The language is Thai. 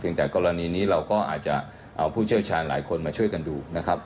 จากกรณีนี้เราก็อาจจะเอาผู้เชี่ยวชาญหลายคนมาช่วยกันดูนะครับ